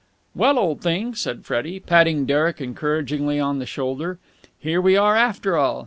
"Well, old thing," said Freddie, patting Derek encouragingly on the shoulder, "here we are after all!